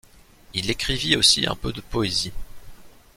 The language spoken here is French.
Il écrivit aussi un peu de poésie.